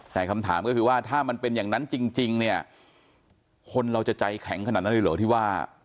แต่คำถามก็คือว่าถ้ามันเป็นอย่างนั้นจริงเนี่ยคนเราจะใจแข็งขนาดนั้นเลยเหรอที่ว่า